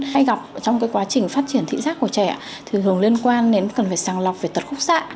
hay gặp trong cái quá trình phát triển thị giác của trẻ thường liên quan đến cần phải sàng lọc về tật khúc xạ